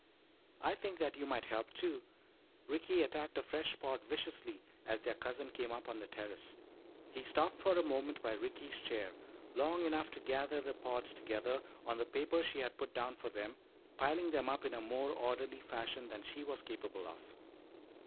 "I think that you might help too." Ricky attacked a fresh pod viciously as their cousin came up on the terrace. He stopped for a moment by Ricky's chair, long enough to gather the pods together on the paper she had put down for them, piling them up in a more orderly fashion than she was capable of.